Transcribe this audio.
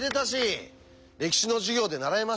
歴史の授業で習いましたよね。